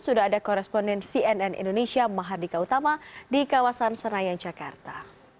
sudah ada koresponden cnn indonesia mahardika utama di kawasan senayan jakarta